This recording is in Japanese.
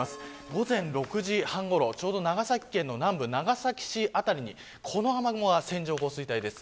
午前６時半ごろちょうど長崎県の南部長崎市辺りにこの雨雲が線状降水帯です。